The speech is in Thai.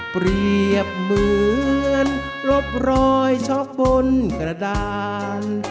เปรียบเหมือนลบรอยช็อกบนกระดาน